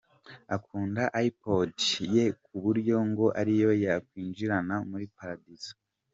Akunda iPod ye ku buryo ngo ariyo yakwinjirana muri Paradizo.